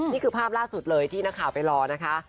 นี่คือภาพล่าสุดเลยที่นักข่าวไปรอนะคะ